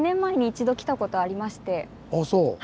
ああそう。